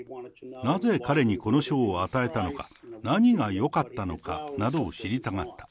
なぜ彼にこの賞を与えたのか、何がよかったのかなどを知りたがった。